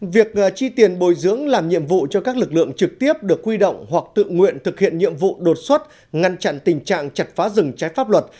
việc chi tiền bồi dưỡng làm nhiệm vụ cho các lực lượng trực tiếp được huy động hoặc tự nguyện thực hiện nhiệm vụ đột xuất ngăn chặn tình trạng chặt phá rừng trái pháp luật